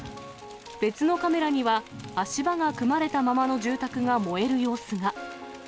別のカメラには、足場が組まれたままの住宅が燃える様子が。